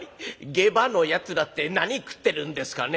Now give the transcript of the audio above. ゲイバーのやつらって何食ってるんですかね」。